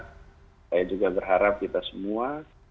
saya juga berharap kita semua